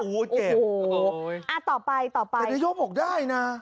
โอ้โหเจ็บโอ้โหอ่าต่อไปต่อไปแต่นายกบอกได้นะ